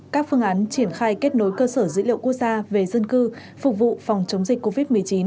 các phương án triển khai kết nối cơ sở dữ liệu quốc gia về dân cư phục vụ phòng chống dịch covid một mươi chín